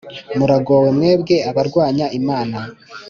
Muragowe, mwebwe abarwanya Imana,